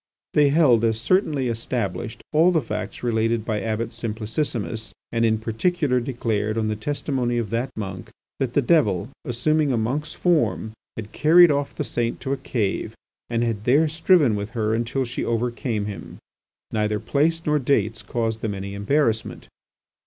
They held as certainly established all the facts related by Abbot Simplicissimus, and in particular declared, on the testimony of that monk, that the devil, assuming a monk's form had carried off the saint to a cave and had there striven with her until she overcame him. Neither places nor dates caused them any embarrassment.